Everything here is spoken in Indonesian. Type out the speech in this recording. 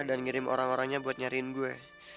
dan ngirim orang orangnya buat nyariin gue